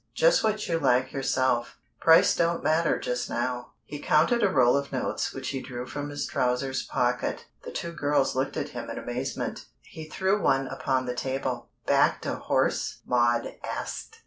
Just what you like yourself. Price don't matter just now." He counted a roll of notes which he drew from his trousers pocket. The two girls looked at him in amazement. He threw one upon the table. "Backed a horse?" Maud asked.